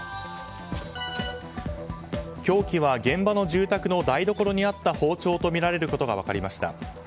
凶器は現場の住宅の台所にあった包丁とみられることが分かりました。